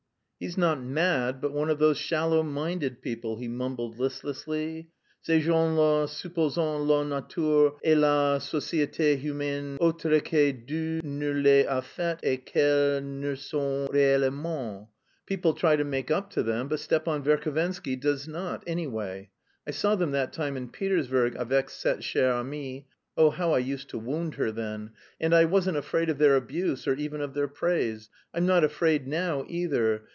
"He's not mad, but one of those shallow minded people," he mumbled listlessly. "Ces gens là supposent la nature et la societé humaine autres que Dieu ne les a faites et qu'elles ne sont réellement. People try to make up to them, but Stepan Verhovensky does not, anyway. I saw them that time in Petersburg avec cette chère amie (oh, how I used to wound her then), and I wasn't afraid of their abuse or even of their praise. I'm not afraid now either.